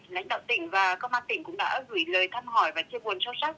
lãnh đạo tỉnh và công an tỉnh cũng đã gửi lời thăm hỏi và chia buồn cho sát